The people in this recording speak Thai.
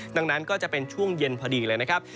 ดังนั้นก็จะเป็นช่วงเย็นพอดีเลยนะครับ